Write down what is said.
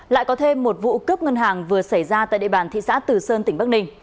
lại có thêm một vụ cướp ngân hàng vừa xảy ra tại địa bàn thị xã tử sơn tỉnh bắc ninh